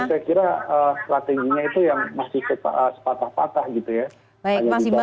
saya kira strateginya itu yang masih sepatah patah gitu ya